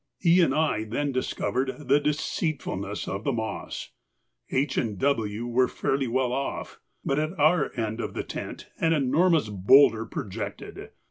E. and I then discovered the deceitfulness of the moss; H. and W. were fairly well off, but at our end of the tent an enormous boulder projected.